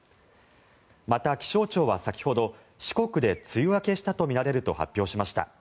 また、気象庁は先ほど四国で梅雨明けしたとみられると発表しました。